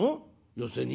寄席に？